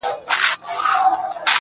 ده ناروا~